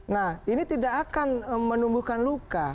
nah ini tidak akan menumbuhkan luka